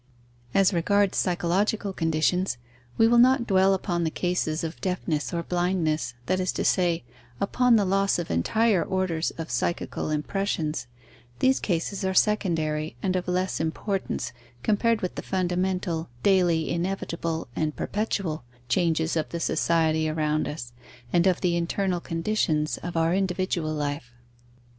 As regards psychological conditions, we will not dwell upon the cases of deafness or blindness, that is to say, upon the loss of entire orders of psychical impressions; these cases are secondary and of less importance compared with the fundamental, daily, inevitable, and perpetual changes of the society around us, and of the internal conditions of our individual life.